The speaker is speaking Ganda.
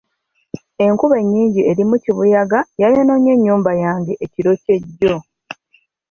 Enkuba ennyingi erimu kibuyaga yayonoonye ennyumba yange ekiro ky'ejjo.